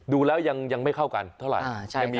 ดูแล้วยังไม่เข้ากันเท่าไหร่